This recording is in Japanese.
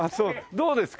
どうですか？